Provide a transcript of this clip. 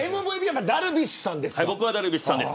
僕はダルビッシュさんです。